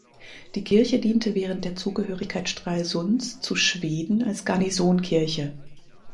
Die Kirche diente während der Zugehörigkeit Stralsunds zu Schweden als Garnisonkirche.